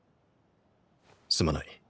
すまない。